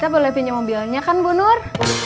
gue pindah mobilnya kan bunur